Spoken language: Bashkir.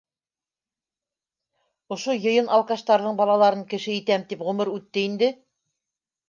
Ошо йыйын алкаштарҙың балаларын кеше итәм тип ғүмер үтте инде.